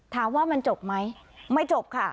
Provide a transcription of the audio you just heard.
ถามว่ามันจบไหมไม่จบค่ะ